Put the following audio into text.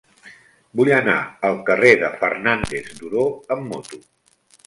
Vull anar al carrer de Fernández Duró amb moto.